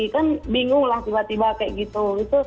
kan bingung lah tiba tiba kayak gitu